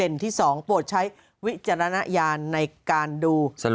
ไม่แขนกันนี่เลย